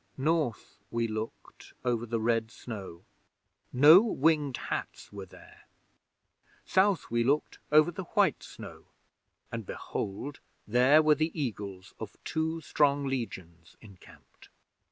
'North we looked over the red snow. No Winged Hats were there. South we looked over the white snow, and behold there were the Eagles of two strong Legions encamped.